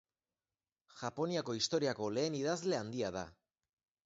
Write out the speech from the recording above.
Japoniako historiako lehen idazle handia da.